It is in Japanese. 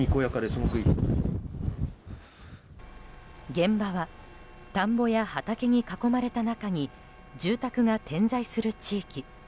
現場は田んぼや畑に囲まれた中に住宅が点在する地域。